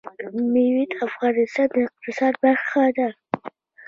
مېوې د افغانستان د اقتصاد برخه ده.